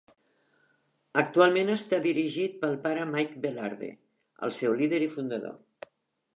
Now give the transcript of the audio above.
Actualment està dirigit pel pare Mike Velarde, el seu líder i fundador.